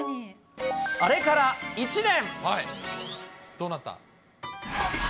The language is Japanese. あれから１年。